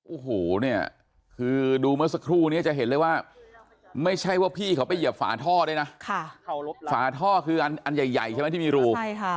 โอ้โหเนี่ยคือดูเมื่อสักครู่นี้จะเห็นเลยว่าไม่ใช่ว่าพี่เขาไปเหยียบฝาท่อด้วยนะฝาท่อคืออันใหญ่ใหญ่ใช่ไหมที่มีรูใช่ค่ะ